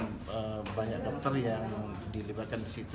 dan banyak dokter yang dilibatkan di situ